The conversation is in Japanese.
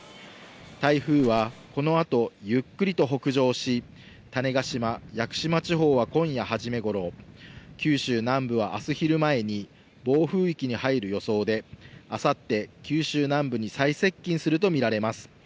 台風はこのあとゆっくりと北上し、種子島・屋久島地方は今夜初め頃、九州南部はあす昼前に、暴風域に入る予想で、あさって、九州南部に最接近すると見られます。